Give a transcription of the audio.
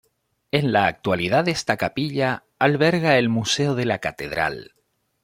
En la actualidad esta capilla alberga el museo de la catedral.